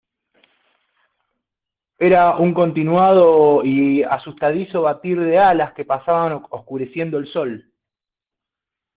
era un continuado y asustadizo batir de alas que pasaban oscureciendo el sol.